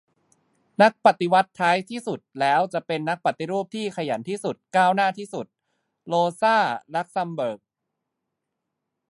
"นักปฏิวัติท้ายที่สุดแล้วจะเป็นนักปฏิรูปที่ขยันที่สุด ก้าวหน้าที่สุด " - โรซา ลักเซมเบิร์ก